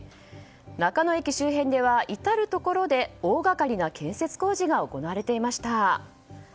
中野駅周辺では至るところで大掛かりな建設工事が行われていました。